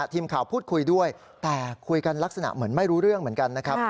ทีมข่าวพูดคุยด้วยแต่คุยกันลักษณะเหมือนไม่รู้เรื่องเหมือนกันนะครับ